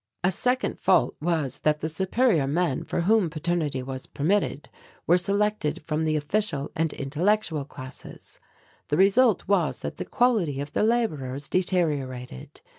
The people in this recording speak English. "A second fault was that the superior men for whom paternity was permitted were selected from the official and intellectual classes. The result was that the quality of the labourers deteriorated.